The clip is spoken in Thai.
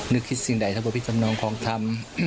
นึกคิดสิ่งใดทับประพิธรรมนองคลองธรรม